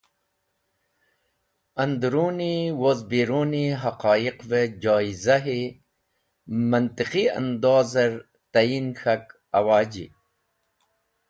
Andruni woz Berumi Haqayiqve joyizahi Mantiqi andozer tayin k̃hak awaji.